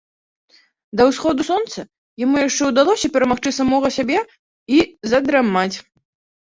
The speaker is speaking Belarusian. Да ўсходу сонца яму яшчэ ўдалося перамагчы самога сябе і задрамаць.